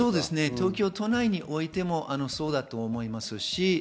都内においてもそうだと思います。